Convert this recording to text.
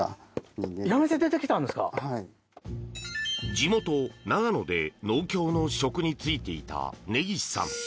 地元・長野で農協の職に就いていた根岸さん。